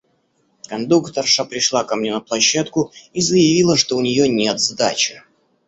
Кондукторша пришла ко мне на площадку и заявила, что у нее нет сдачи.